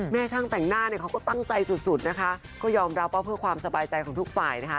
ช่างแต่งหน้าเนี่ยเขาก็ตั้งใจสุดสุดนะคะก็ยอมรับว่าเพื่อความสบายใจของทุกฝ่ายนะคะ